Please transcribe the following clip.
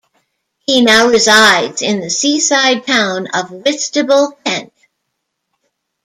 He now resides in the seaside town of Whitstable, Kent.